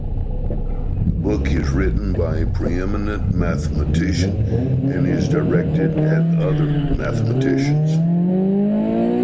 The book is written by a pre-eminent mathematician, and is directed at other mathematicians.